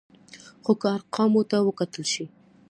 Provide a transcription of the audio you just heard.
خو که ارقامو ته وکتل شي،